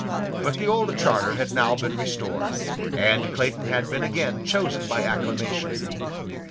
But the old charter had now been restored; and Clayton had been again chosen by acclamation.